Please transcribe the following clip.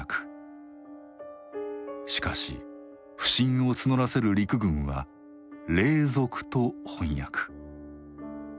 しかし不信を募らせる陸軍は「隷属」と翻訳。